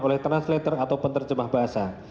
oleh translator atau penerjemah bahasa